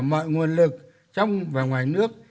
mọi nguồn lực trong và ngoài nước